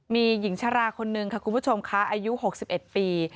มีหญิงชะลาคนนึงค่ะคุณผู้ชมค่ะอายุ๖๑ปี